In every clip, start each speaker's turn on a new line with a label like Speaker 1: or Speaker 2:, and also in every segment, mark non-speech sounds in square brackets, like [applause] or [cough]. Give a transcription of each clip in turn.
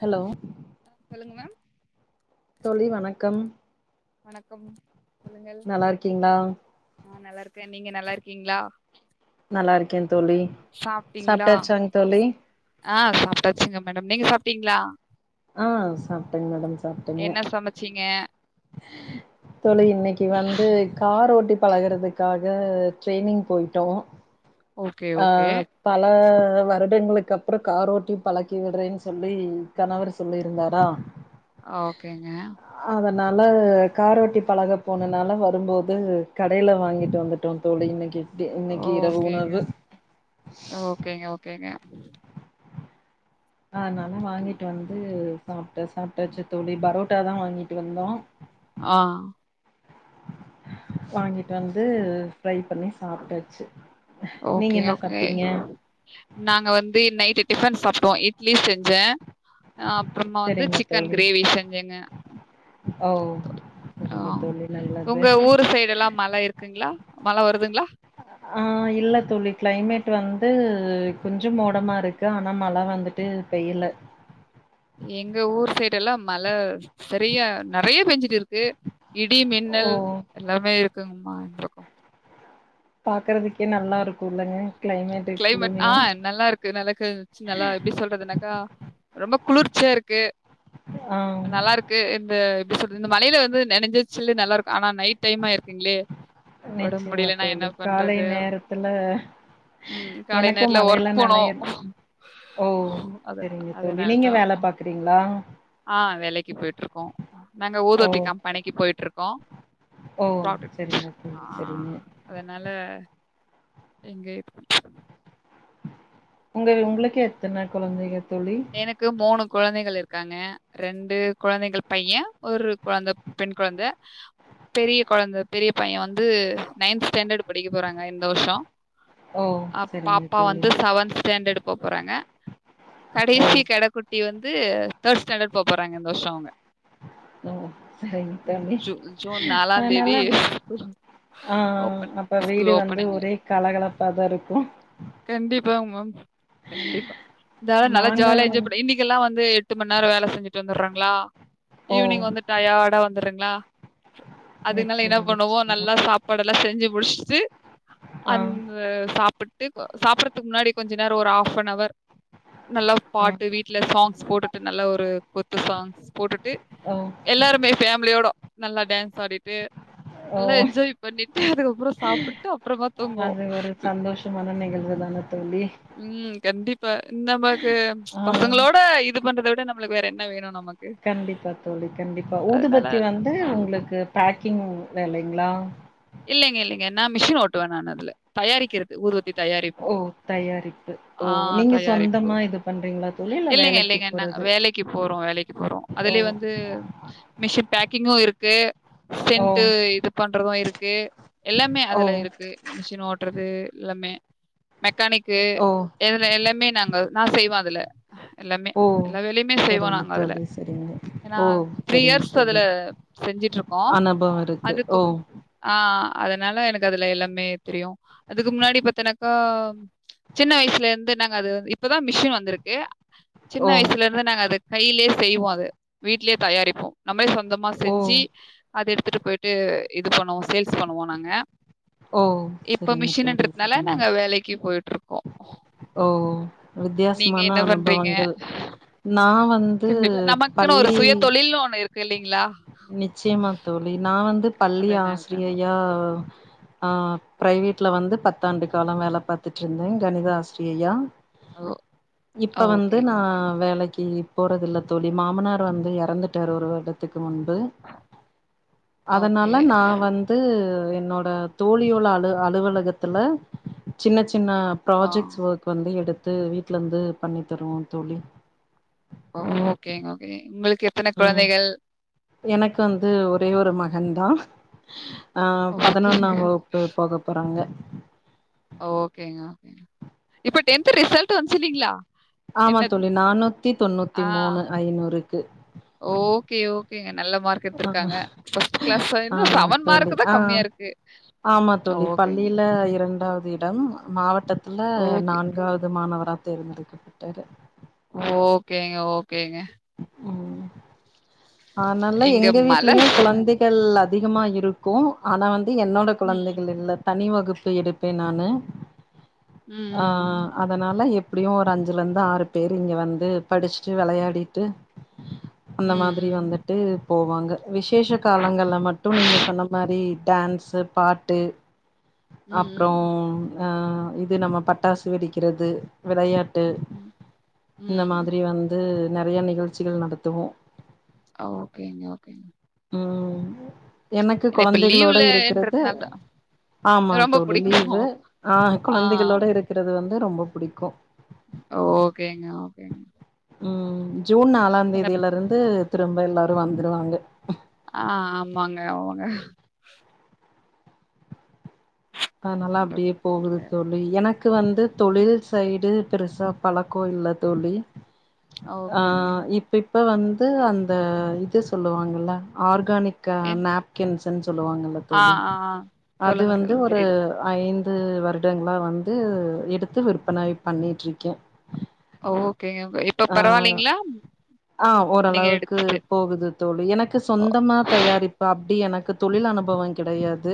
Speaker 1: hello
Speaker 2: சொல்லுங்க ma'am வணக்கம் சொல்லுங்கள் நான நல்லா இருக்கேன் நீங்க நல்லா இருக்கீங்களா சாப்பட்டீங்களா ஆ சாப்பட்டாச்சுங்க மேடம் நீங்கா அப்டீங்களா
Speaker 1: ஆ சாப்
Speaker 2: என்ன சமைச்சீங்க
Speaker 1: [unintelligible] தோழி இன்னைக்கு வந்து கார் ஓட்டி பழகுறதுக்காக ட்ரெய்னிங் போயிட்டோம் ஆஹ் பலோ பலவருடங்களுக்கு அப்பறம் காரோட்டி பழக்கி விடுறேன்னு சொல்லி கணவர் சொல்லியிருந்தாரா
Speaker 2: ஓகேங்க
Speaker 1: அதனால காரோட்டி பழக போனால வரும்போது கடையில வாங்கிட்டு வந்துட்டோம் தோழி இன்னைக்கி இன்னைக்கி இரவு உணவு
Speaker 2: ஓகேங்க ஓகேங்க [inaudible]
Speaker 1: அதனால வாங்கிட்டு வந்து சாப்பட்ட சாப்படச்சு தோழி பரோ அததா வாங்கிட்டு வந்தா
Speaker 2: ஆஹ்
Speaker 1: வாங்கி வந்து ஃரை பண்ணி சாப்புடாச்சு
Speaker 2: ஓகே ஓகே நாங்க வந்து நைட்டு டிபன் சாடப்பட்டோம் இட்லி செஞ்சேன் நா அப்புறமா வந்து சிக்கன் கிரேவி செஞ்சேங்க ஆ உங்க ஊரு சைடலா எல்லாம் மழ இருக்குங்களா மழ வருதுங்களா
Speaker 1: கொஞ்சோம் மோடமா இருக்கு ஆனா மழ வந்துட்டு பெய்யல
Speaker 2: எங்க ஊர் சைடு எல்லாம் மழ சரியா நெறைய பெஞ்சட்டு இருக்கு இடி மின்னல் எல்லாமே இருக்குங்மா [inaudible]
Speaker 1: பாக்குறதுக்கே நல்லா இருக்கும் இல்லங்க
Speaker 2: கிளைமேட் ஆ நல்லா இருக்கு நல்ல நல்லா எப்டி சொல்றதுனாக்கா ரொம்ப குளிர்ச்சியா இருக்கு நல்லா இருக்கு இந்த எப்டி சொல்றது இந்த மலையில வந்து நினைஞ்ச சில்லுனு நல்லா இருக்கும் ஆனா நைட் டைமா இருக்குங்களே
Speaker 1: நிச்சயமா தோழி காலை நேரத்துல எனக்கும் மழயல்ல நனயற்த் ஓ செரிங்க தோழி நீங்க வேல பாக்குறீங்களா
Speaker 2: ஆ வேலக்கு போயிட்டு இருக்கோம் நாங்க ஊர்வத்திக் கம்பணிக்கு போயிட்டுருக்கோம் பாக்கட்டும் அ அதனால எங்க
Speaker 1: உங்க உங்களுக்கு எத்தன கொழந்தைக
Speaker 2: எனக்கு மூணு கொழந்தைகள் இருக்காங்க ரெண்டு கொழந்தைகள் பைய ஒரு கொழந்த பெண் கொழந்த பெரிய கொழந்த பெரிய பைய வந்து நைன்த் ஸ்டாண்டர்டு படிக்க போறாங்க இந்த வருஷம் அ பாப்பா வந்து செவன்த் ஸ்டாண்டர்டு போப்போறாங்க [unintelligible] கட குட்டி வந் வந்து தேர்டு ஸ்டாண்டர்டு போப்போறாங்க இந்த வருஷோ அவங்க
Speaker 1: ம் சரிங்க தோழி அதனால ஆஹ் அப்ப வீடு வந்து ஒரே கலகலப் [unintelligible] இருக்கும்
Speaker 2: கண்டிப்பா மேம் கண்டிப்பா இதால நல்லா ஜாலியா என்ஜாய் பண்ண இன்னைக்கெல்லா வந்து எட்டு மணி நேரோ வேல செஞ்சுட்டு வந்துர்றாங்க ங்களா ஈவினிங் வந்து டயார்டா வந்தர்றங்ளா அதுனால என்னா பண்ணுவோ நல்லா சாப்பாடெல்லா செஞ்சு முடிச்சுட்டு அந்த சாப்பிட் ட்டீக்கு சாப்படுறதுக்கு முன்னாடி கொஞ்ச நேரோ ஒரு ஹாஃப் அன் அவர் நல்லா பாட்டு வீட்ல சாங்ஸ் போட்டுட்டு நல்ல ஒரு குத்து சாங்ஸ் போட்டுட்டு எல்லாருமே ஃபேமிலியோட நல்லா டான்ஸ் ஆடிட்டு நல்லா என்ஜாய் பண்ணிட்டு அதுக்கப்றோ சாப்புட்டு அப்றமா தூங்குவோ உம் கண்டிப்பா நமக்கு பசங்களோட இது பண்றத விட் விட நம்மளுக்கு வேற என்ன வேணு நமக்
Speaker 1: கண்டிப்பா தோழி கண்டிப்பா ஊதுபத்தி வந்து உங்களுக்கு பேக் க்கிங் வேலைங்ளா
Speaker 2: இல்லைங்க இல்லைங்க நா மிஷின் ஓட்டுவே நானு அதுல தயாரிக்கிறது ஊதுவத் [unintelligible] தயாரிப்போ ஆஹ் தயாரிப்பு இல்லைங்க இல்லைங்க நா வேலைக்கு போறோ வேலைக்கு போறோ அதுலயே வந்து மிஷின் பேக்கிங்கு இருக்கு சென்ட்டு இது பண்றது இருக் எ எல்லாமே அதுல இருக்கு மிஷின் ஓட்ட ன்றது எல்லாமே [unintelligible] கணக்கு இதுல எல்லாமே நாங்க நா செய்வோ அதுல எல்லாமே எல்லா வேலயுமே செய்வோ நாங்க அதுல ஏன்னா த்ரீ இயர்ஸ் அதுல செஞ்சுட்ருக்கோ அதுக்கு ஆஹ் அதனால எனக்கு அதுல எல்லாமே தெரியு அதுக்கு முன்னாடி பாத்தீன்னாக்கா சின்ன வயசுல இருந்து நாங்க அது இப்பதா மிஷின் வந்துருக்கு சின்ன வயசுல இருந்து நாங்க அதுக்கு கையிலயே செய்வோம் அத வீட்ேயே தயாரிப்போம் நம்மே சொந்தமா செஞ்சு அத எடுத்து எடுத்துட்டு போயிட்டு இது பண்ணுவோம் சேல்ஸ் பண்ணுவோம் நாங்க இப்ப மிஷின்றனால நாங்க வேலைக்கு போயிட்டு இருக்கோம்
Speaker 1: வித்தியாசமான அனுபவங்கள் நான் வந்து பள்ளி
Speaker 2: இல்லலைங்களா
Speaker 1: நிச்சயமா தோழி நான் வந்து பள்ளி ஆசிரியையா ஆஹ் பிரைவேட்ல வந்து பத்தாண்டு காலம் வேல பாத்துட்டு இருந்தேன் கணிதா ஆசிரியையா இப்ப வந்து நான் வேலைக்கு போறத இல்ல தோழி மாமனார் வந்து இறந்துட்டார் ஒரு வருடத்துக்கு முன் அதனால நான் வந்து என்னோட தோழியுல அலுவலகத்துல சின்ன சின் சின்ன ப்ராஜெக்ட்ஸ் ஒர்க் வந்து எடுத்து இது வீட்டுலந்து பண்ணி தருவோ தோழி
Speaker 2: ஓகே ஓகே உங்களுக்
Speaker 1: உம் எனக்கு வந்து ஒரே ஒரு மகன் தா [unintelligible] ஹ பதினொன்னாம் வகுப்பு போக போறாங்க
Speaker 2: ஓகேங்ககே இப்ப டென்த் ரிசல்ட் வந்துச்சீங்களா
Speaker 1: ஆமா தோழி நானூத்தி தொண்ணூத்தி மூணு ஐந்நூறுக்கு
Speaker 2: [unintelligible] நல்ல மார்க் எடுத்திருக்காங்கா பிரஸ்டுகிளாஸ் செவன் மார்க் தான் கம்மியா இருக்கு ஒக்கங்
Speaker 1: இடம் மாவட்டத் நான்காவது மாணவன் [unintelligible]
Speaker 2: ஓகேங்க ஓகேங்க
Speaker 1: உம் அதனால எங்க வீட்லயும் குழந்தைகள் அதிகமா இருக்கும் ஆனா வந்து என்னோட கெழந்தைகள் இல்ல தனி வக வகுப்பு எடுப்பேன் நானு ஆஹ் அதனால எப் எப்டியும் ஒரு அஞ்சுலருந்து ஆறு பேர் இங்கே வந்து படிச்சுட்டு விளையாடி ட்டு அந்த மாரி வந்துட்டு போவாங்க விசேஷ காலங்கல்ல மட்டும் நீங்கள் சொன்ன மாரி டான்ஸு பாட்டு அப்றோம் அ இது நம்ம பட்டாசு வெடிக்கிறது வெளையாடு இந்த மாரி வந்து நெறைய நிகழ்ச்சிகள் நடத்துவோம்
Speaker 2: ஓகேங்க ஓகேங்க
Speaker 1: ம் எனக்கு கொழந்தைகளோட இருக்கிறது ஆமா தோலி லீவு ஆ கெழந்தைகளோட இருக்கிறது வந்து ரொம்ப புடிக்கும்
Speaker 2: ஓகேங்க ஓகேங்க
Speaker 1: ம் ஜூன் நாலா தேதியில இருந்து திரும்ப எல்லாருக்கு வந்துருவாங்க
Speaker 2: ஆ ஆமாங்க அவுங்க
Speaker 1: அதனாலா அப்டியே போகுது தொலி எனக்கு வந்து தொழில் சைடு பெருசா பழக்கம் இல்ல தொலி ஆ இப்ப இப்ப வந்து அந்த இது சொல்லுவாங்கல்ல ஆருக் ஆர்கானிக் அ நாப்கின்ஸ்னு சொல்லுவாங்கல்ல தொலி அது வந்து ஒரு [inaudible] ஐந்து ஐந்து வருடங்களா வந்து எடுத்து விற்பன பண்ணிட்டுருக்கேன் ஆ ஆ அ ஓரளவுக்கு போகுது தோலி எனக்கு சொந்தமா தயாரிப்பு அப்டி எனக்கு எனக்கு தொழில் அனுபவம் கெடையாது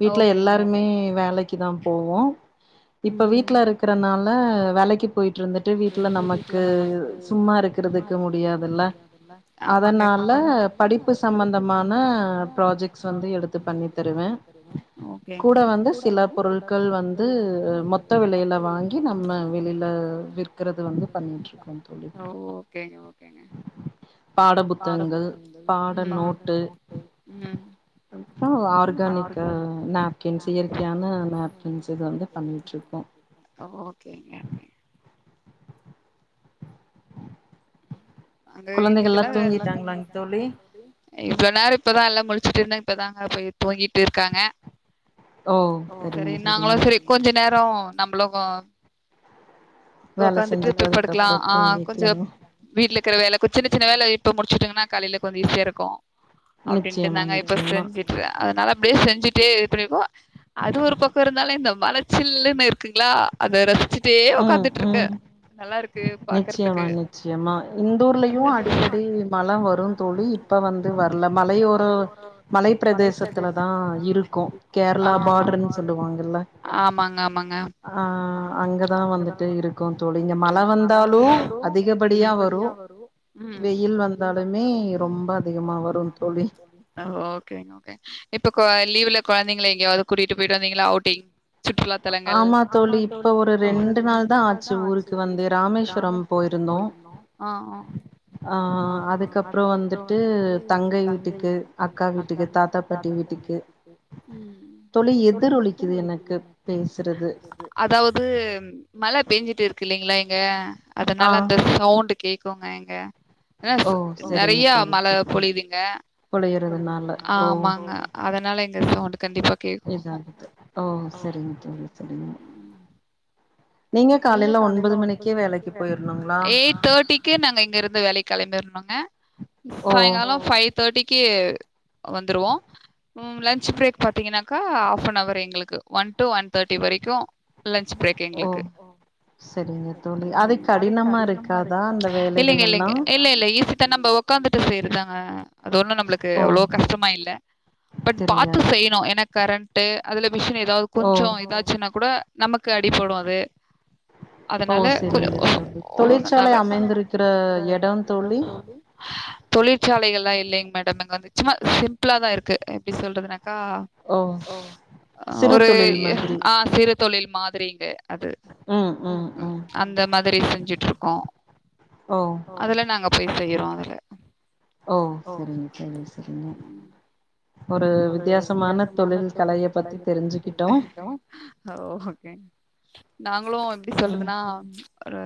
Speaker 1: வீட்ல எல்லாருமே வேலக் க்கு தான் போவோம் இப்ப வீட்ல இருக்கறனால இல்ல வேலக்கு போயிட்டு இருந்துட்டு வீட்ல நமக்கு
Speaker 2: ம் ஆமாங்க கரெக்ட் ஒகேங்க
Speaker 1: இருக்கிறது வந்து
Speaker 2: ஒகேங்க ஒகேங்க ம் ம் ஒகேங்க அங்க இன்னிக்கல்ல எல்லா தூங்கிட்டாங்களா தோழி ஹ இவளோ நேரம் இப்பதான் எல்லாம் [unintelligible] இப்போதா எல போயிட்டு இருக்காங்க ஓ செரி நாங்கலோ செரி கொஞ்ச நேரோ நம்பாலோ வ
Speaker 1: வேல செஞ்சுட்டு அதுக்கப்புறம் தூங்கிக்கலாம்
Speaker 2: வீட்டுல இருக்குறா வேலை சின்-சின்ன வேலை இப்போ முடிச்சிட்டிங்கன்னா காலையில கொஞ்சம் ஈஸியா இருக்கும் அப்டின்ட்டு நாங்க இப்ப [unintelligible] அதனால அப்படியே செஞ்சிட்டே எப்டி இருக்கோ அது ஒரு பக்க இருந்தாலும் இந்த மல சில்லுன்னு இருக்குங்ளா அத ரசிச்சு அப்டியே உக்காத்துட்டு இருக்க நல்லா இருக்கு பாக்குறதுக்கு
Speaker 1: முக்கமா இந்தூர்லயும் அடிக்கடி மல வரும் தோலி இப்ப வந்து வரல மலையோர மலைப்பிரதேசத்துல தான் இருக்ககோ கேரளா பார்டர்ன்னு சொல்லுவாங்கல்ல ஆஹ் அங்க தான் வந்துட்டு இருக்கும் தோலி இங்க மல வந்தாலோ அதிக
Speaker 2: அதிகபடியா வரும் வெயில் வந்தாலுமே ரொம்ப அதிகமா வரும் ஒகேங்க- ஒகேங்க இப்ப கொ லீவுல குழந்தைங்களா எங்கயாவது கூட்டிட்டு போயிட்டு வந்தீங்களா அவுட்டிங் சுற்றுலாத்தலங்கள் ஆமா தோலி இப்ப ஒரு ரெண்டு நாள் தான் ஆச்சு ஊருக்கு வந்து ராமேஸ்வரம் போயிருந்தும் ஹ் அதுக்கப்புறம் வந்துட்டு தங்கை வீட்டுக்கு அக்கா வீட்டுக்கு தாத்தா பாட்டி வீட்டுக்கு தோழி எதிரொலிக்குது எனக்கு அதாவது மல பேஞ்சிட்டு இருக்கு இல்லைங்களா இங்க அதனால அந் இந்த சவுண்ட் கேக் போங்க எங்க [unintelligible] நறையாமழை பொலிதுங்க பொலித்து ஆமாங்க அதனால எங்க சவுண்ட் கண்டிப்பா கேக்கும் நீங்க காலையில ஒன்பது மணிக்கே வேலைக்கு போய எயிட் தேர்டிக்கு நாங்க இங்க இருந்து வேலைக்கிளம்பின்னும் ஹ சாயங்காலம் பை தேர்ட்டி கில வந்துருவோம் லன்ச் பிரேக் பாத்தீங்கன்னாக்கா ப்வர் எங்களுக்கு ஒன் டு ஒன் தேர்ட்டி வரைக்கும் லன்ச் பிரேக் எங்களுக்கு அது கடினமா இருக்காதா இல்லங்க-இல்லங்க இல்ல-இல்ல ஈசி தான் நம்ம உக்காந்துட்டு செய்யறதா தாங்க அது ஒண்ணு நம்மளுக்கு அவ்ளோ கஷ்டமா இல்ல பட் பாத்து செய்யணும் என கரண்ட அதல மிஷின் ஏதாவது கொஞ்சம் எதாச்சுன்னா கூட நமக்கு அடி போடும் அது அதனால கொஞ் [unintelligible] தொழிற்சால எல்லா இல்லங்க மேடம் இங்க வந்து சும்மா சிம்பிளா தான் இருக்கு எப்டி சொல்றது ஹ ஒரு ஹா சிறு தொழில் மாதிரிங்க அது அந்த மாரி செஞ்சுட்டு இருக்கோம் அதுல நாங்க [unintelligible] செய்யரும் அதுல
Speaker 1: ஓ செரிங்க செரிங்க செரிங்க
Speaker 2: ஒரு வித்தியாசமான தொழில் கலைவை பத்தி தெரிந்துட்டோம் ஓ ஓகே நாங்களும் எப்டி சொல்றதுன்னா ஒரு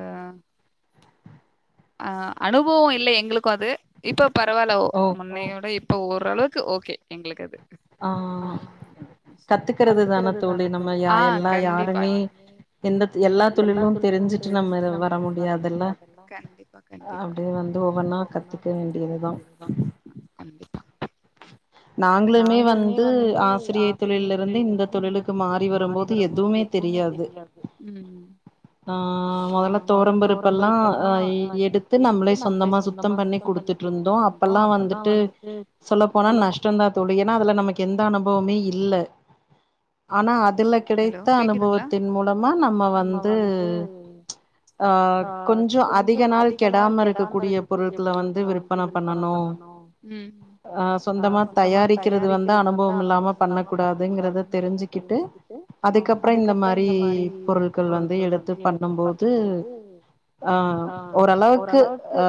Speaker 2: ஆ அனுபவம் இல்லை எங்களுக்கும் அது இப்ப பரவாயில்ல முன்னையோட இப்ப ஓரளவு க்கு ஓகே எங்களுக்கு அது ஹா கத்துக்கறது தானே தோலி ஹா கண்டிப்பா எல்லா தொழிலும் தெரிஞ்சுட்டு நம்ம வர முடியாது இல்ல கண்டிப்பா- கண்டிப்பா அப்பே வந்து ஒவ்வொன்னா கத்துக்கிட வேண்டியதுதான் நாங்களமே வந்து ஆசிரியர் தொழில் இருந்து இந்த தொழிலுக்கு மாறி வரும்போது எதுவுமே தெரியாது ம் ம் ஹா முதல தோரம்பருப்பெல்லாம் ஹா எடுத்து நம்மளே சொந்தமா சுத்தம் பண்ணி குடுத்துட்டு இருந்தோம் அப்பெல்லாம் வந்துட்டு
Speaker 1: சொல்ல போனா நஷ்டம் தான் தோ ஏன்னா அதுல நமக்கு எந்த அனுபவமே இல்லை ஆனா அது அதுல கிடைத்த அனுபவத்தின் மூலமா நம்ம வந்து ஹா கொஞ்ச அதிக நாள் கெடாம இருக்கக்கூடிய பொருட்களை வந்து விற்பன பண்ணணும் ஹா சொந்தமா தயாரிக்கிறது வந்து அனுபவம் இல்லாம பண்ண கூடாதுங்கறத தெரிஞ்சுக்கிட்டு அதுக்கப்பறம் இந்த மாரி பொருட்கள் வந்து எடுத்து பண்ணும்போது ஆ ஓரளவுக்கு ஆ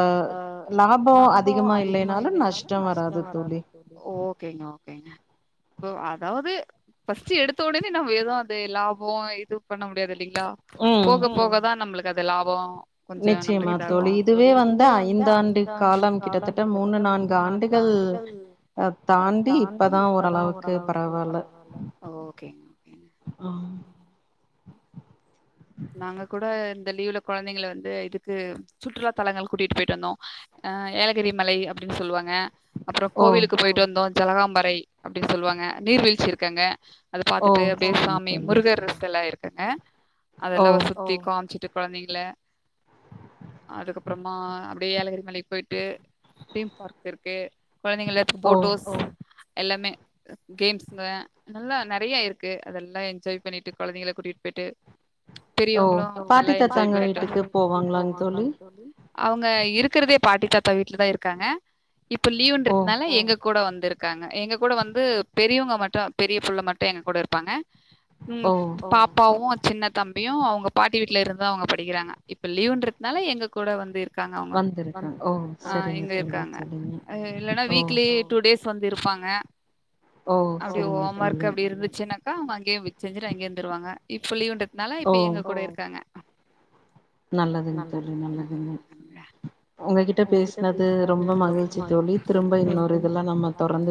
Speaker 1: லாபம் அதிகமா இல்லனாலும் நஷ்
Speaker 2: நஷ்டம் வராது ஓ ஓகேங்கமா அதாவது பஸ்ட் எடுத்த உடனே நம்ம ஏதவும் அது லாபம் இது பண்ண முடியாது லா போக போகதான் நம்மளுக்கு அது லாபம் கொஞ்ச நம்ம இதுவகும் இதுவே வந்து ஐந்தாண்டு காலம் கிட்டத்தட்ட மூணு நான்கு ஆண்டுகள் தாண்டி இப்தான் ஓரளவுக்கு பரவாயில்ல ஓகேங்க
Speaker 1: ஹ
Speaker 2: நாங்க கூட இந்த லீவுல குழந்தைங்க வந்து இதுக்கு சுற்றுலா தலங்கள் கூட்டிட்டு போயிட்டு வந்தோம் ஹ ஏலகிரி மலை அப்டின்னு சொல்லுவாங்க அப்புறம் கோவிலுக்கு போயிட்டு வந்தோம் ஜலகாம்பரை அப்டின்னு சொல்லுவாங்க நீர்வீழ்ச்சி இருக்காங்க அதை பாத்துட்டு அப்டியே சாமி முருகர் செல இருக் அ அதெல்லாம் ஒரு சுத்தி காம்ச்சிட்டு கெழந்தைங்கள அதுக்கப்பறமா அப்டியே ஏலகிரி மலைக்கு போயிட்டு டீம் பார்க் இருக்கு குழந்தைங்கள போட்டோஸ் எல்லாமே கேம்ஸ்ங்க நல்லா நெறைய இருக்கு அதெல்லா என்ஜாய் பண்ணிட்டு குழந்தைகள கூட்டிட்டு போயிட்டு பெரியவங்களும் நல்லா என்ஜாய் பண்ணிட் அவுங்க இருக்கிறதே பாட்டி தாத்தா வீட்லதான் இருக்காங்க இப்ப லீவுன்றதுனால எங்க கூட வந்திருக் இருக்காங்க எங்க கூட வந்து பெரியவங்க மட்டும் பெரிய புள்ள மட்டு எங்க கூட இருப்பாங்க ம் பாப்பாவும் சின்ன தம்பியும்அவுங்க பாட்டி வீட்டுல இருந்து அவுங்க படிக்கிறாங்க இப்ப லீவுன்றதுனால எங்க கூட வந்து இருக்காங்க அவுங்க ஆ இங்க இருக்காங்க இல்லனா வீக்லி டூ டேஸ் வந்து இருப்பாங்க அப்டி ஓம் ஒர்க் அப்டி இருந்துச்சின்னாக்கா அவுங்க அங்க செஞ்சிட்டு அங்கேயே இருந்துருவாங்க சொல்லி உண்டு அதநால இப்ப எங்க கூட இருக்காங்க
Speaker 1: நல்லதுங்க தோலி நல்லதுங்க உங்ககிட்ட பேசினது ரொம்ப மகிழ்ச்சி தோலி திரும்ப இன்னொரு இதெல்லா நம்ம தொடர்ந்து